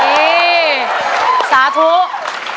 แผ่นที่สามนะครับก็คือ